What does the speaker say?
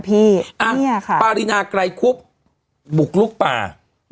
อันตรีปราสานีปรินากรายคุพบุคลุกป่า